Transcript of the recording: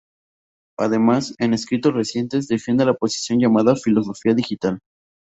Además, en escritos recientes, defiende la posición llamada filosofía digital.